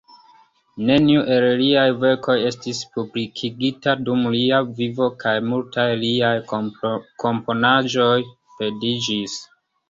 Neniu el liaj verkoj estis publikigita dum lia vivo, kaj multaj liaj komponaĵoj perdiĝis.